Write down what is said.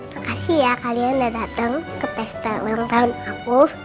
makasih ya kalian udah datang ke pesta ulang tahun aku